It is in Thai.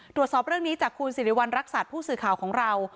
ตรวจสอบเรื่องนี้จากคุณสิริวัณรักษัตริย์ผู้สื่อข่าวของเรา